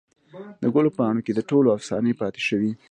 دګلو پاڼوکې دټولو افسانې پاته شوي